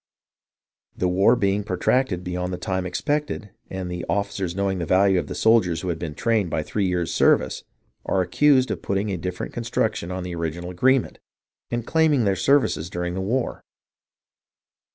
The war being protracted beyond the time expected, and the officers knowing the value of soldiers who had been trained by three years' service, are accused of putting a different construction on the original agreement, and claiming their services during the war.